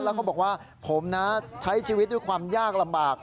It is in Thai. แล้วเขาบอกว่าผมนะใช้ชีวิตด้วยความยากลำบาก